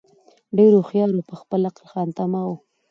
ډېر هوښیار وو په خپل عقل خامتماوو